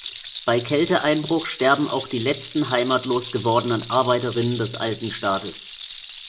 Bei Kälteeinbruch sterben auch die letzten heimatlos gewordenen Arbeiterinnen des alten Staates.